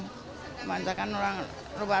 kebanyakan orang luar luar